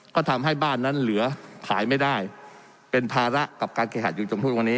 ก็ทำให้บ้านนั้นเหลือขายไม่ได้เป็นภาระกับการเคหาอยู่จมทุ่งวันนี้